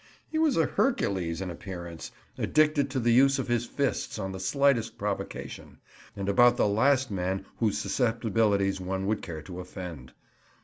He was a Hercules in appearance, addicted to the use of his fists on the slightest provocation, and about the last man whose susceptibilities one would care to offend.